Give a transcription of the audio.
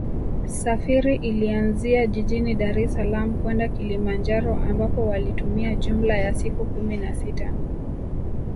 Safari ilianzia jijini Daressalaam kwenda Kilimanjaro ambapo walitumia jumla ya siku kumi na sita